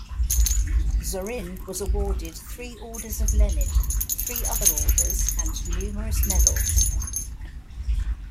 Zorin was awarded three Orders of Lenin, three other orders and numerous medals.